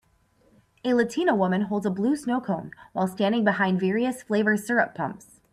A latina woman holds a blue snocone while standing behind various flavorsyrup pumps.